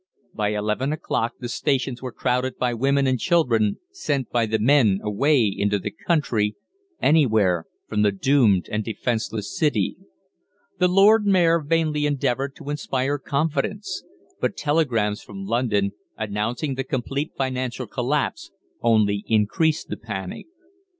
By eleven o'clock the stations were crowded by women and children sent by the men away into the country anywhere from the doomed and defenceless city. The Lord Mayor vainly endeavoured to inspire confidence, but telegrams from London, announcing the complete financial collapse, only increased the panic.